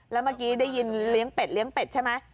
แล้วเมื่อกี้ได้ยินเลี้ยงเป็ดใช่ไหม